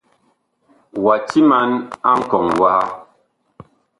Wa timan a nkɔŋ waha.